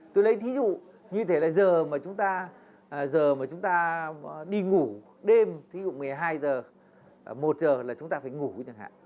tôi lấy thí dụ như thế là giờ mà chúng ta đi ngủ đêm thí dụ một mươi hai h một h là chúng ta phải ngủ chẳng hạn